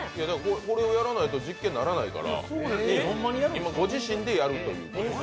これをやらないと実験にならないから今、ご自身でやるというので。